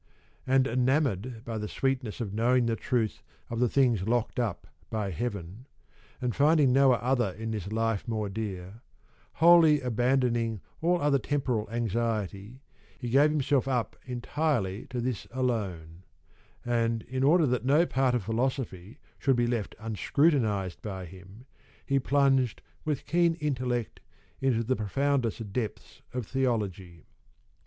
And enamoured by the sweetness of knowing 12 the truth of the things locked up by heaven, and finding no other in this life more dear, wholly abandoning all other temporal anxiety, he gave himself up entirely to this alone ; and in order that no part of philosophy should be left unscrutinised by him, he plunged with keen intellect into the profoundest depths of theology.